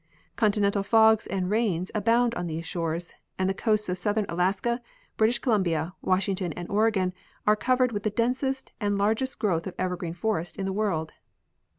Continual fogs and rains abound on these shores, and the coasts of southern Alaska, British Columbia, Washington and Oregon are covered with the densest and largest growth of evergreen forest in the world.